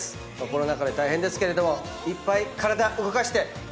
コロナ禍で大変ですけれどもいっぱい体動かして鍛えましょうね！